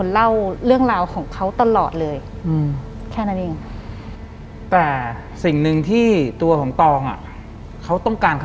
หลังจากนั้นเราไม่ได้คุยกันนะคะเดินเข้าบ้านอืม